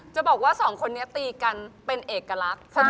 จะบอกว่าสองคนนี้ตีกันเป็นเอกลักษณ์